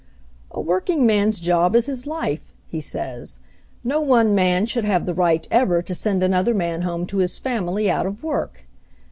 "A workingman's job is his life," he says. "No one man should have the right ever to send another man home to his family out of work.